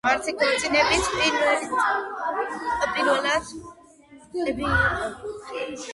მათი ქორწინების პირველი წლები თავდაპირველად ბედნიერი იყო.